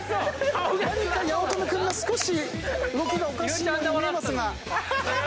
八乙女君が少し動きがおかしいように見えますが。